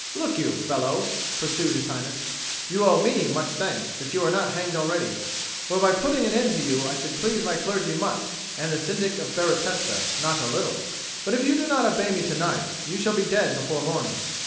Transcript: "Look you, fellow," pursued His Highness, "you owe me much thanks that you are not hanged already; for by putting an end to you I should please my clergy much and the Syndic of Baratesta not a little. But if you do not obey me to night, you shall be dead before morning."